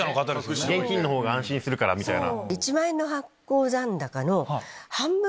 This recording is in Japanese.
現金の方が安心するからみたいな。